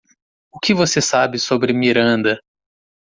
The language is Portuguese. O que você sabe sobre Miranda?